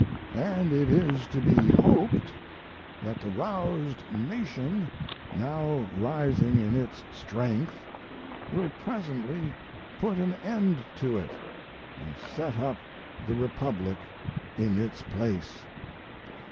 And it is to be hoped that the roused nation, now rising in its strength, will presently put an end to it and set up the republic in its place.